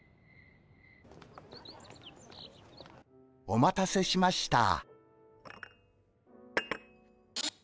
お待たせしました。